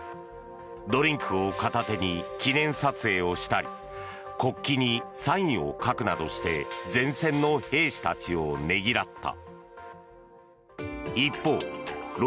ドリンクを片手に記念撮影をしたり国旗にサインを書くなどして前線の兵士たちをねぎらった。